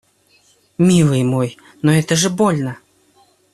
Милый мой, но это же больно!